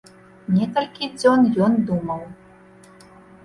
Некалькі дзён ён думаў.